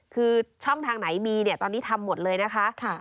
คือช่องทางไหนมีเนี่ยตอนนี้ทำหมดเลยนะคะ